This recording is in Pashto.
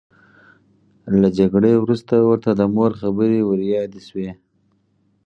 له جګړې وروسته ورته د مور خبرې وریادې شوې